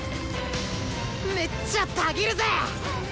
めっちゃたぎるぜ！